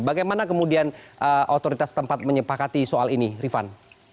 bagaimana kemudian otoritas tempat menyepakati soal ini rifan